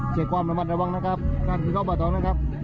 เกิดความประมาทระวังนะครับตั้งจินข้าวปะตองนะครับ